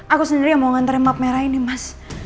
aku sendiri yang mau nganter emak merah ini mas